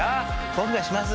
僕がします！